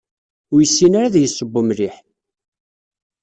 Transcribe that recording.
Ur yessin ad yesseww mliḥ.